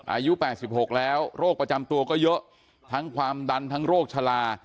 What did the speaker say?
อายุ๘๖แล้วโรคประจำตัวก็เยอะทั้งความดันทั้งโรคชะลา